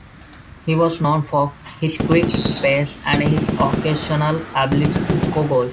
He was known for his quick pace and his occasional ability to score goals.